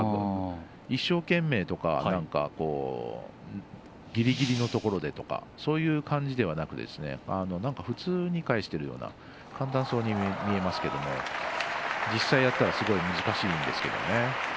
一生懸命とかギリギリのところでとかそういう感じではなく普通に返しているような簡単そうに見えますけれども実際やったらすごい難しいですけどね。